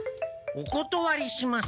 おことわりします。